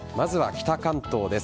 南関東です。